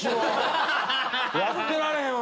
やってられへんわ。